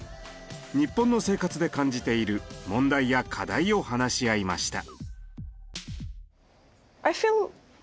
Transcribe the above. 日本の生活で感じている問題や課題を話し合いました。